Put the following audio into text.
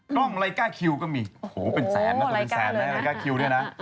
กล้องไรก้าคิวก็มีโอ้โหเป็นแสนนะก็เป็นแสนนะรายก้าคิวด้วยนะ